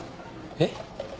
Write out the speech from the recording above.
えっ？